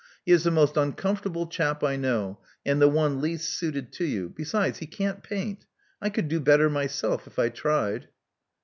He is the most uncomfortable chap I know, and the one least suited to you. Besides, he can't paint. I could do better myself, if I tried."